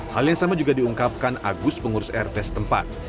hal yang sama juga diungkapkan agus pengurus rt setempat